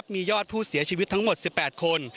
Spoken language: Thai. มียอดผู้เสียชีวิตทั้งหมด๑๘คน